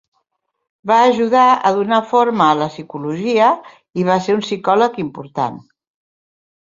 Va ajudar a donar forma a la psicologia i va ser un psicòleg important.